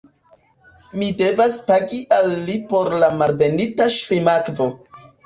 Mi devas pagi al li por la Malbenita Ŝlimakvo.